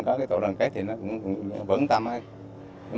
các tổ đội tàu đoàn kết thì nó cũng vẫn tâm hay